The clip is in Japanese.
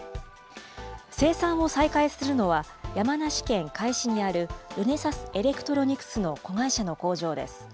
生産を再開するのは山梨県甲斐市にある、ルネサスエレクトロニクスの子会社の工場です。